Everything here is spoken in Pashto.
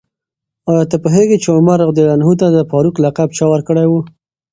آیا ته پوهېږې چې عمر رض ته د فاروق لقب چا ورکړی و؟